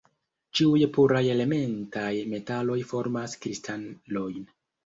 Ĉiuj puraj elementaj metaloj formas kristalojn.